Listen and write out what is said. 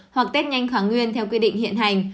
hoặc test nhanh kháng nguyên theo quyết định hiện hành